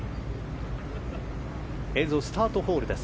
映像はスタートホールです。